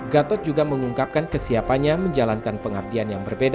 gatot juga mengungkapkan kesiapannya menjalankan perjalanan